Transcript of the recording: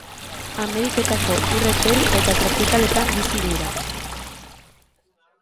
Ameriketako ur epel eta tropikaletan bizi dira.